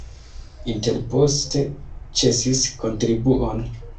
Intel poste ĉesis kontribuon.